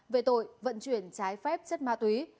về tội vận chuyển trái phép chất ma túy